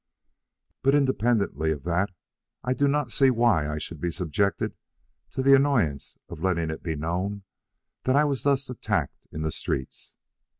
"But independently of that I do not see why I should be subjected to the annoyance of letting it be known that I was thus attacked in the streets.